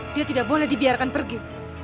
dia tidak boleh dibiarkan pergi